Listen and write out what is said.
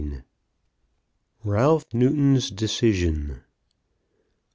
RALPH NEWTON'S DECISION.